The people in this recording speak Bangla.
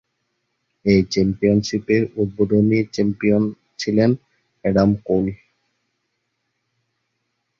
এই চ্যাম্পিয়নশিপের উদ্বোধনী চ্যাম্পিয়ন ছিলেন এডাম কোল।